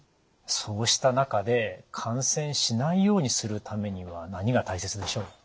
そうした中で感染しないようにするためには何が大切でしょう？